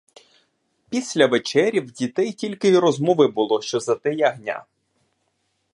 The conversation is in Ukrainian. Після вечері в дітей тільки й розмови було, що за те ягня.